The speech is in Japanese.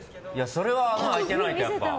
それは空いてないと、やっぱ。